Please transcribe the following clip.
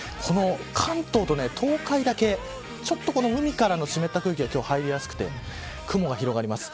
関東と東海だけちょっと海からの湿った空気が入りやすくて雲が広がります。